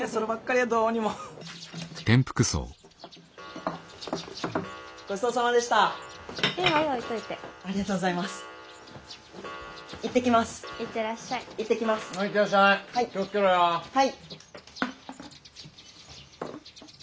はい！